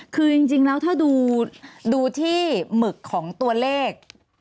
คือจริงแล้วถ้าดูที่หมึกของตัวเลข